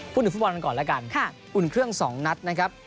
พูดถึงฟุตบอลกันก่อนแล้วกันอุ่นเครื่อง๒นัดนะครับ